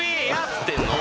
つってんの！